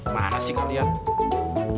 mana sih kalian